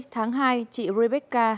tháng hai chị rebecca